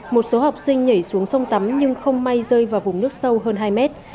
một số học sinh nhảy xuống sông tắm nhưng không may rơi vào vùng nước sâu hơn hai mét